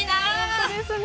本当ですね。